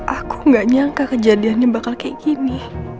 aku gak nyangka kejadiannya bakal kayak gini